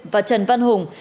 và trần văn hùng